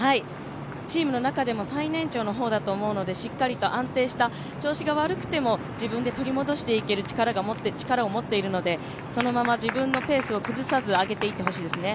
チームの中でも最年長の方だと思うのでしっかりと安定した調子が悪くても自分で取り戻していける力を持っているのでそのまま自分のペースを崩さず上げていってほしいですね。